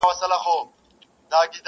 اچولی یې پر سر شال د حیا دی.